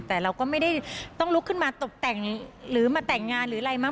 แต่เราก็ไม่ได้ต้องลุกขึ้นมาตบแต่งหรือมาแต่งงานหรืออะไรมาก